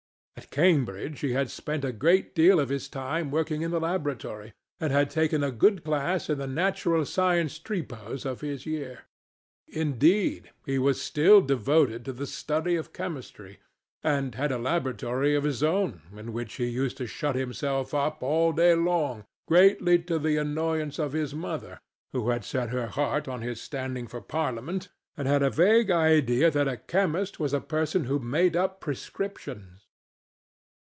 At Cambridge he had spent a great deal of his time working in the laboratory, and had taken a good class in the Natural Science Tripos of his year. Indeed, he was still devoted to the study of chemistry, and had a laboratory of his own in which he used to shut himself up all day long, greatly to the annoyance of his mother, who had set her heart on his standing for Parliament and had a vague idea that a chemist was a person who made up prescriptions.